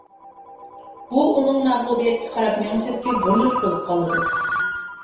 بۇ ئۇنىڭ مەغلۇبىيەتكە قاراپ مېڭىشىدىكى بۇرۇلۇش بولۇپ قالىدۇ.